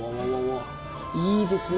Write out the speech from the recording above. いいですね！